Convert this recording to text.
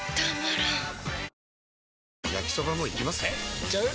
えいっちゃう？